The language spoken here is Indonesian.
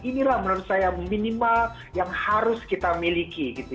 inilah menurut saya minimal yang harus kita miliki